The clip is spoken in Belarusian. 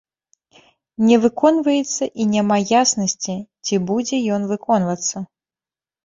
Не выконваецца і няма яснасці, ці будзе ён выконвацца.